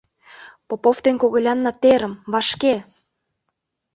Попов ден когылянна терым — вашке!